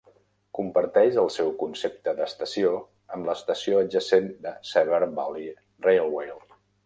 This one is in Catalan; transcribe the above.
Comparteix el seu concepte d'estació amb l'estació adjacent de Severn Valley Railway.